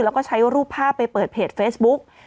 แล้วก็ใช้รูปภาพไปเปิดเพจเฟซบุ๊ก